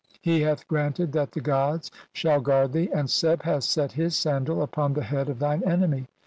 He hath granted that the gods shall "guard thee, and Seb hath set his sandal upon the "head of thine enemy.